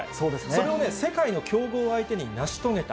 それをね、世界の強豪相手に成し遂げた。